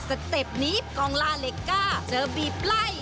เต็ปนี้กองลาเหล็กก้าเจอบีบไล่